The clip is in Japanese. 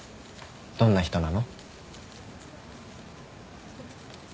どんな人なの？